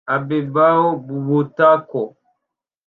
Abebaw Butako